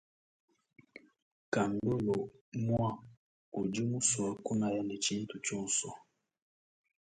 Kandolo mwa udi muswa kunaya ne tshintu tshionso.